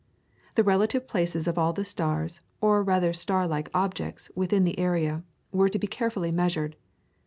The relative places of all the stars, or rather star like objects within this area, were to be carefully measured.